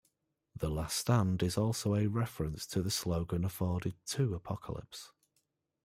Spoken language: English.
'The Last Stand' is also a reference to the slogan afforded to Apocalypse.